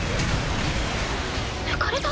抜かれた？